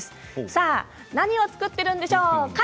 さあ何を作っているんでしょうか。